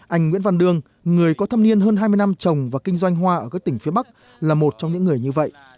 anh nguyễn văn đương người có thâm niên hơn hai mươi năm trồng và kinh doanh hoa ở các tỉnh phía bắc là một trong những người như vậy